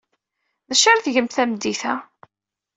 D acu ara tgemt tameddit-a?